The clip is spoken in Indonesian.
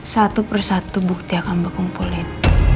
satu persatu bukti akan berkumpulin